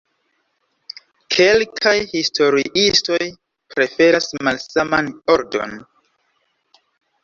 Kelkaj historiistoj preferas malsaman ordon.